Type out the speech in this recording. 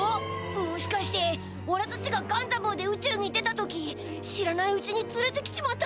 もしかしておらたちがガンダブーで宇宙に出た時知らないうちにつれてきちまっ